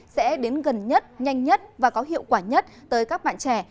sẽ đến gần nhất nhanh nhất và có hiệu quả nhất tới các bạn trẻ